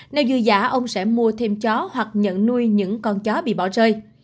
nơi dư giả ông sẽ mua thêm chó hoặc nhận nuôi những con chó bị bỏ rơi